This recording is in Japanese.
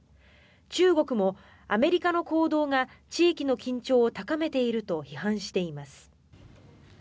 中国も、アメリカの行動が地域の緊張を高めていると批判しています。